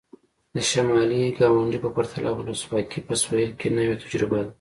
د شمالي ګاونډي په پرتله ولسواکي په سوېل کې نوې تجربه ده.